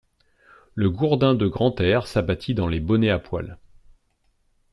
Le gourdin de Grantaire s'abattit dans les bonnets à poil.